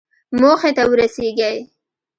موخې ته ورسېږئ